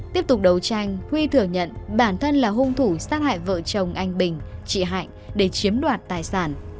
tiếp tục đấu tranh huy thừa nhận bản thân là hung thủ sát hại vợ chồng anh bình chị hạnh để chiếm đoạt tài sản